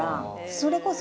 それこそ。